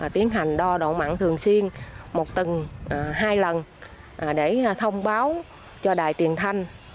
tiến hành đo độ mặn thường xuyên một tầng hai lần để thông báo cho đài tiền thanh